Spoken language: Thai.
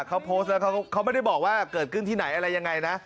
เขาโพสต์แล้วเขาไม่ได้บอกว่าเกิดขึ้นที่ไหนอะไรยังไงนะ